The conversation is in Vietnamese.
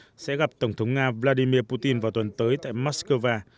chủ tịch cuba miguel díaz canel sẽ gặp tổng thống nga vladimir putin vào tuần tới tại moscow